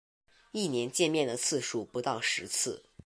一年见面的次数不到十次